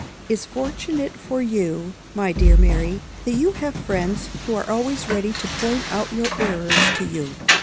_ is fortunate for you, my dear Mary, that you have friends who are always ready to point out your errors to you.